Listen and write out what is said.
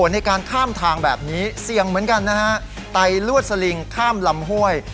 ในการข้ามทางแบบนี้เสี่ยงเหมือนกันนะฮะไตลวดสลิงข้ามลำห้วย